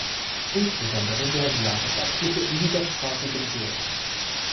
Insbesondere werden Jahresabschlüsse in dieser Sprache generiert.